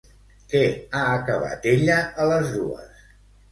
Què ha acabat ella a les dues?